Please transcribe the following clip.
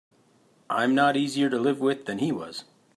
I'm not easier to live with than he was.